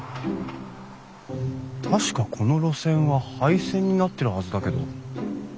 確かこの路線は廃線になってるはずだけど。